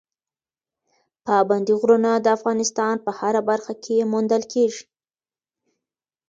پابندی غرونه د افغانستان په هره برخه کې موندل کېږي.